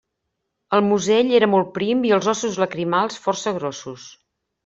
El musell era molt prim i els ossos lacrimals força grossos.